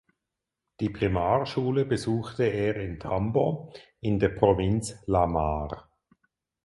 Die Primarschule besuchte er in Tambo in der Provinz La Mar.